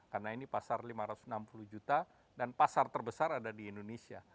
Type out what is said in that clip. karena ini pasar lima ratus enam puluh juta dan pasar terbesar ada di indonesia